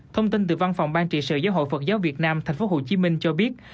thông tin từ văn phòng ban trị sự giáo hội phật giáo việt nam tp hcm cho biết